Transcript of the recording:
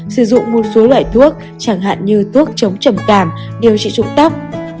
sử dụng một số loại thuốc chẳng hạn như thuốc chống trầm cảm điều trị trụng tóc